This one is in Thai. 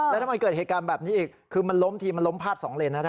แล้วถ้ามันเกิดเหตุการณ์แบบนี้อีกคือมันล้มทีมันล้มพาด๒เลนนะ